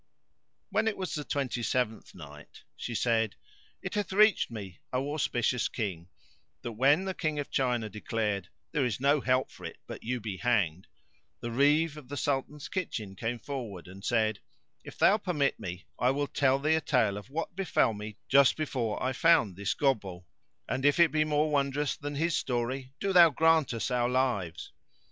When it was the Twenty seventh Night, She said, It hath reached me, O auspicious King, that when the King of China declared "There is no help for it but that you be hanged," the Reeve of the Sultan's Kitchen came forward and said, "If thou permit me I will tell thee a tale of what befell me just before I found this Gobbo, and, if it be more wondrous than his story, do thou grant us our lives."